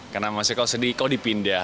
karena masih kalau sedih kalau dipindah